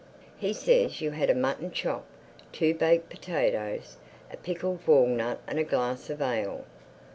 "He says you had a mutton chop, two baked potatoes, a pickled walnut and a glass of ale."